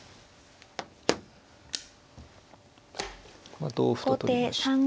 まあ同歩と取りました。